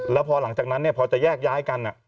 แล้วพอหลังจากนั้นเนี่ยพอจะแยกย้ายกันอ่ะ